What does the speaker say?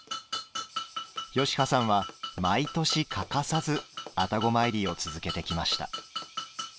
吉羽さんは毎年欠かさず愛宕詣りを続けてきました。